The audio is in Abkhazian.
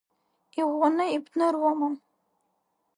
Иӷәӷәаны ибныруама?